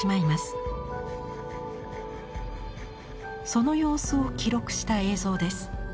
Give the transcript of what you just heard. その様子を記録した映像です。